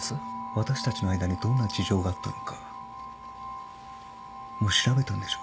私たちの間にどんな事情があったのかもう調べたんでしょ？